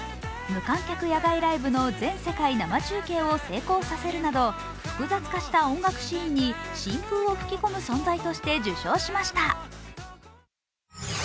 無観客野外ライブの全世界生中継を成功させるなど複雑化した音楽シーンに新風を吹き込む存在として受賞しました。